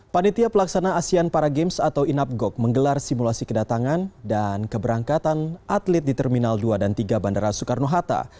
panitia pelaksana asean para games atau inapgok menggelar simulasi kedatangan dan keberangkatan atlet di terminal dua dan tiga bandara soekarno hatta